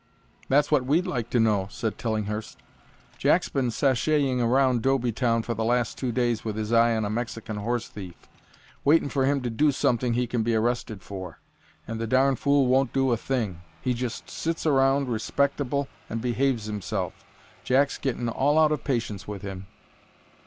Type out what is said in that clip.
"That's what we'd like to know," said Tillinghurst. "Jack's been sashaying around Doby Town for the last two days with his eye on a Mexican horse thief, waitin' for him to do something he can be arrested for; and the darn' fool won't do a thing! He just sits around respectable and behaves himself. Jack's gettin' all out of patience with him."